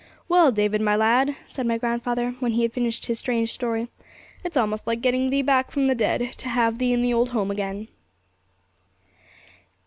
'Well, David, my lad,' said my grandfather, when he had finished his strange story, 'it's almost like getting thee back from the dead, to have thee in the old home again!'